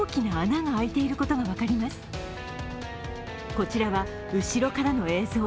こちらは後ろからの映像。